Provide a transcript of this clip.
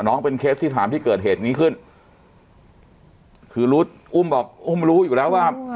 น้องเป็นเคสที่สามที่เกิดเหตุนี้ขึ้นคือรู้อุ้มบอกอุ้มรู้อยู่แล้วว่า